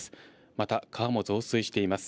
また、川も増水しています。